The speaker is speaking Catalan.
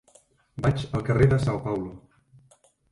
Vaig al carrer de São Paulo.